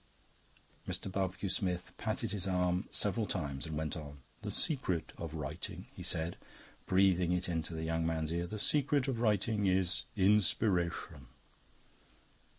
Mr. Barbecue Smith patted his arm several times and went on. "The secret of writing," he said, breathing it into the young man's ear "the secret of writing is Inspiration."